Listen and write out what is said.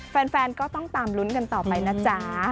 แฟนก็ต้องตามลุ้นกันต่อไปนะจ๊ะ